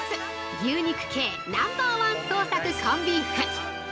牛肉系ナンバー１創作コンビーフ。